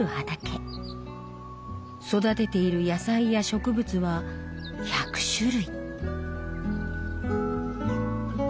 育てている野菜や植物は１００種類。